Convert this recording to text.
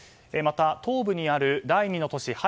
また、東部にある第２の都市